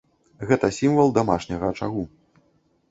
Гэта сімвал дамашняга ачагу.